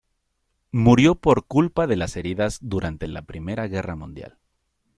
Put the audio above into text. Murió por culpa de las heridas durante la Primera Guerra Mundial.